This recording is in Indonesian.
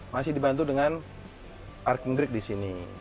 masih dibantu dengan parking brake disini